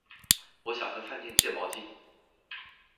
我想跟饭店借毛巾